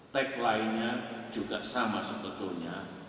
taglinenya juga sama sebetulnya